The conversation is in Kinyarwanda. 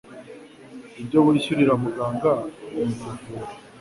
Icyo wishyurira muganga ni ukuvura